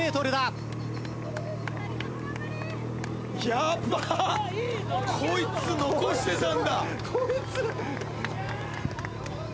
ヤバっこいつ残してたんだ。